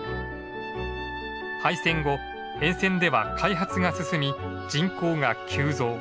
廃線後沿線では開発が進み人口が急増。